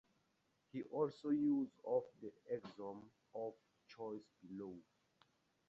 See also use of the axiom of choice below.